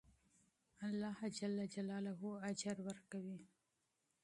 الله اجر ورکوي.